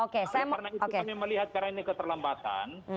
karena itu kami melihat sekarang ini keterlambatan